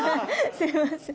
すみません。